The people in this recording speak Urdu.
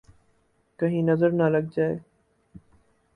!کہیں نظر نہ لگ جائے